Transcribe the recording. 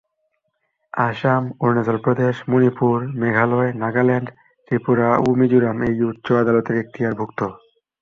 আসাম, অরুণাচল প্রদেশ, মণিপুর, মেঘালয়, নাগাল্যান্ড, ত্রিপুরা ও মিজোরাম এই উচ্চ আদালতের এক্তিয়ারভুক্ত।